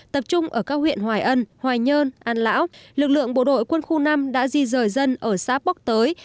tập trung ở các huyện hoài ân hoài nhơn an lão lực lượng bộ đội quân khu năm đã di rời dân ở xã bắc tới